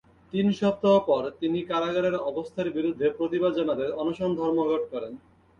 তিন সপ্তাহ পর, তিনি কারাগারের অবস্থার বিরুদ্ধে প্রতিবাদ জানাতে অনশন ধর্মঘট করেন।